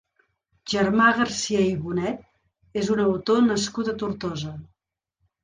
Germà García i Boned és un autor nascut a Tortosa.